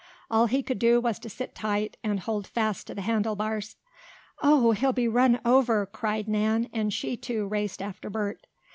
All he could do was to sit tight, and hold fast to the handle bars. "Oh, he'll be run over!" cried Nan, as she, too, raced after Bert.